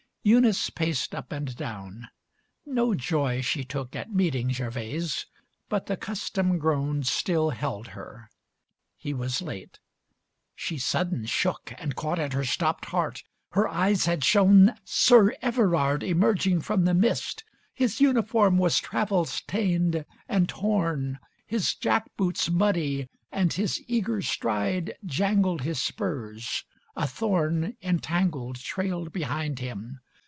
XLV Eunice paced up and down. No joy she took At meeting Gervase, but the custom grown Still held her. He was late. She sudden shook, And caught at her stopped heart. Her eyes had shown Sir Everard emerging from the mist. His uniform was travel stained and torn, His jackboots muddy, and his eager stride Jangled his spurs. A thorn Entangled, trailed behind him.